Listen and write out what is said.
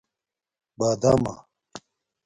بادامہ